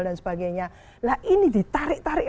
dan sebagainya nah ini ditarik tarik